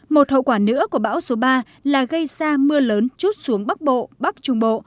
một hậu quả nữa của bão số ba là gây ra mưa lớn chút xuống bắc bộ bắc trung bộ